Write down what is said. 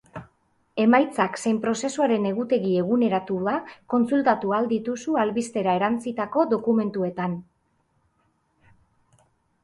Emaitzak zein prozesuaren egutegi eguneratua kontsultatu ahal dituzu albistera erantsitako dokumentuetan.